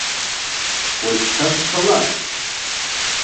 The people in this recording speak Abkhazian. Уажәшьҭа сцалап.